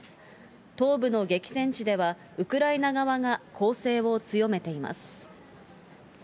東部の激戦地では、ウクライナ側が攻勢を強めています。